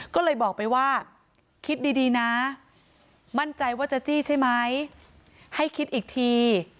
ก็เลยบอกไปว่าคิดดีนะมั่นใจว่าจะจี้ใช่ไหมให้คิดอีกที